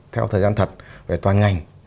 theo thời gian thật về toàn ngành